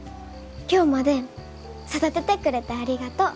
今日まで育ててくれてありがとう。